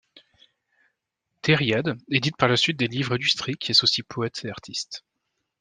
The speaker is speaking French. Tériade édite par la suite des livres illustrés qui associent poètes et artistes.